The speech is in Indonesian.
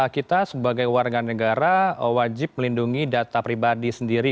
kita sebagai warga negara wajib melindungi data pribadi sendiri